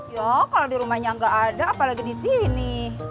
ya kalau di rumahnya nggak ada apalagi di sini